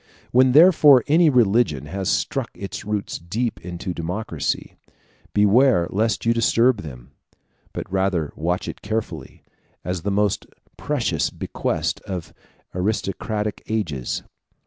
When therefore any religion has struck its roots deep into a democracy, beware lest you disturb them; but rather watch it carefully, as the most precious bequest of aristocratic ages.